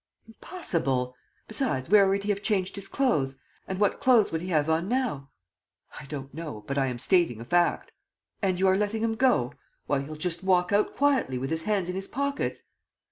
"Impossible! Besides, where would he have changed his clothes? And what clothes would he have on now?" "I don't know, but I am stating a fact." "And you are letting him go? Why, he'll just walk out quietly, with his hands in his pockets!"